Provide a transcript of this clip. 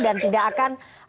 dan tidak akan